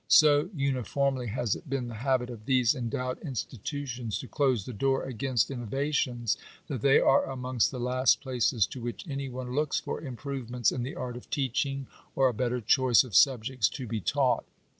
So uniformly has it been the habit of these endowed institutions to close the door against innova Digitized by VjOOQIC 344 NATIONAL EDUCATION. tions, that they are amongst the last places to which any one looks for improvements in the art of teaching, or a better choice of subjects to be taught.